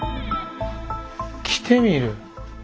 着てみる。